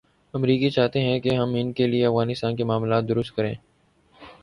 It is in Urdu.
امریکی چاہتے ہیں کہ ہم ا ن کے لیے افغانستان کے معاملات درست کریں۔